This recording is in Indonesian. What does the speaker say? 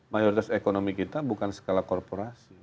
mayoritas ekonomi kita bukan skala korporasi